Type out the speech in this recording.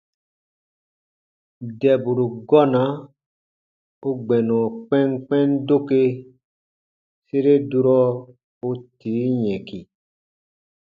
Dɛburu gɔna u gbɛnɔ kpɛnkpɛn doke sere durɔ u tii yɛ̃ki.